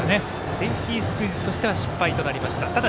セーフティースクイズとしては失敗となりました。